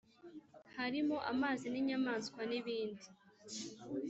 harimo amazi n’inyamaswa nibindi